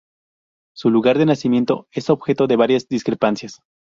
Su lugar de nacimiento es objeto de varias discrepancias.